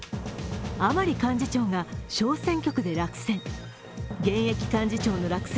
甘利幹事長が小選挙区で落選。